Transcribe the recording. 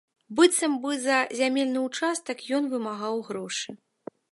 Быццам бы за зямельны ўчастак ён вымагаў грошы.